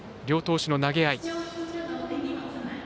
両投手の投げ合い。